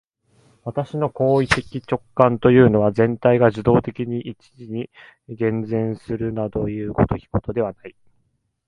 私の行為的直観というのは、全体が受働的に一時に現前するなどいう如きことではない。